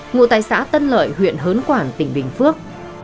ngụ tại xã tân lợi huyện hớn quản tỉnh bình phước